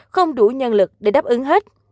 không đủ nhân lực để đáp ứng hết